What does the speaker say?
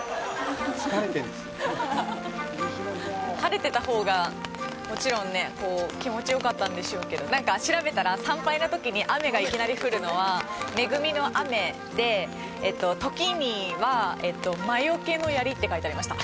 晴れてたほうが、もちろんね気持ちよかったんでしょうけどなんか調べたら、参拝のときに雨がいきなり降るのは恵みの雨で時には魔よけのヤリって書いてありました。